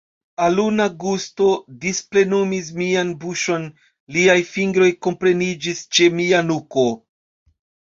Aluna gusto displenumis mian buŝon, liaj fingroj kunpremiĝis ĉe mia nuko.